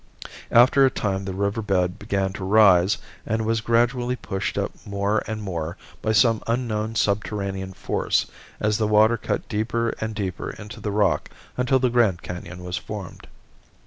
After a time the river bed began to rise and was gradually pushed up more and more by some unknown subterranean force as the water cut deeper and deeper into the rock until the Grand Canon was formed.